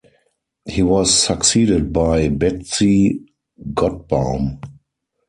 He was succeeded by Betsy Gotbaum.